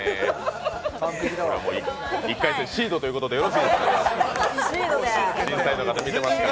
１回戦シードということでよろしいですかね。